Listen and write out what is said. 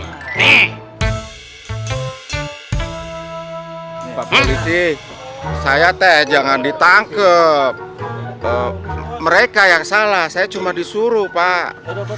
pak polisi saya teh jangan ditangkap mereka yang salah saya cuma disuruh pak